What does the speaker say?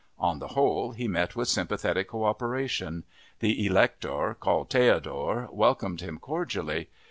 On the whole he met with sympathetic cooperation. The Elector, Carl Theodor, welcomed him cordially.